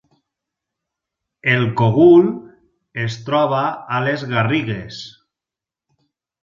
El Cogul es troba a les Garrigues